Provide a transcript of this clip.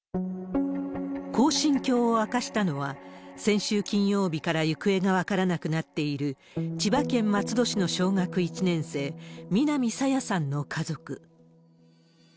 こう心境を明かしたのは、先週金曜日から行方が分からなくなっている、千葉県松戸市の小学１年生、南朝芽さんの家族。